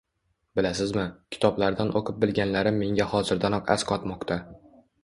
Bilasizmi, kitoblardan o‘qib bilganlarim menga hozirdanoq asqotmoqda